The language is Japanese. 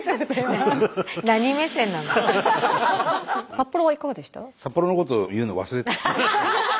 札幌はいかがでした？